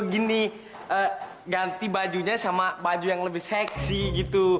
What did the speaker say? gini ganti bajunya sama baju yang lebih seksi gitu